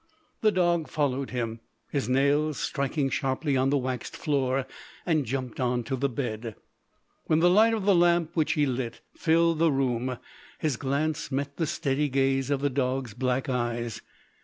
The dog followed him, his nails striking sharply on the waxed floor, and jumped on to the bed. When the light of the lamp which he lit filled the room, his glance met the steady gaze of the dog"s black eyes.